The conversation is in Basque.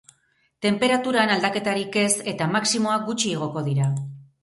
Tenperaturan, aldaketarik ez eta maximoak gutxi igoko dira.